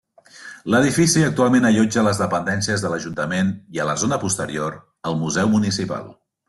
L'edifici actualment allotja les dependències de l'ajuntament i a la zona posterior, el museu municipal.